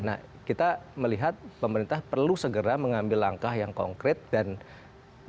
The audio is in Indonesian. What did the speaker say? nah kita melihat pemerintah perlu segera mengambil langkah yang konkret dan dan berani gitu